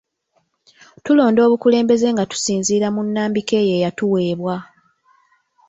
Tulonda obukulembeze nga tusinziira mu nnambika eyo eyatuweebwa